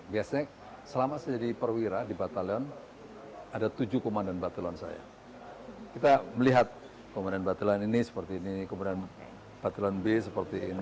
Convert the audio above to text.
biasanya selama saya jadi perwira di batalion ada tujuh komandan batelan saya kita melihat komandan batelan ini seperti ini komandan batelan b seperti ini